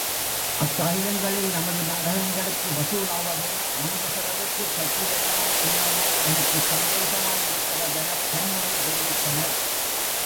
அக்காகிதங்களில் நமது நாடகங்களுக்கு வசூலாவது நமது செலவுக்குக் கட்டிவருமோ என்னமோ எனக்கு சந்தேகமாயிருக்கிறதெனப் பன்முறை தெரிவித்தனர்.